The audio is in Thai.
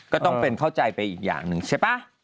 ก็ต้องเป็นเข้าใจไปอีกอย่างหนึ่งใช่ป่ะ